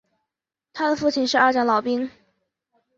他的父亲是二战老兵。